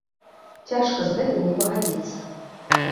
Цяжка з гэтым не пагадзіцца.